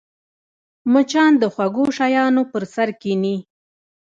مچان د خوږو شیانو پر سر کښېني